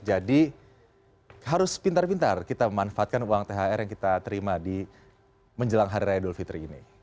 jadi harus pintar pintar kita memanfaatkan uang thr yang kita terima di menjelang hari raya dulfitri ini